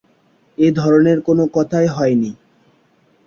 এ-ধরনের কোনো কথাই হয় নি।